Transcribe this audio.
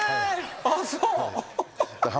ああそう。